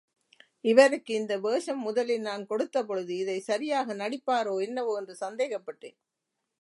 இவருக்கு இந்த வேஷம் முதலில் நான் கொடுத்தபொழுது, இதைச் சரியாக நடிப்பாரோ என்னவோ என்று சந்தேகப்பட்டேன்.